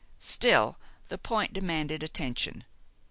Still, the point demanded attention.